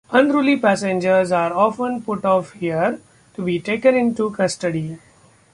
Unruly passengers are often put off here to be taken into custody.